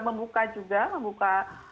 membuka juga membuka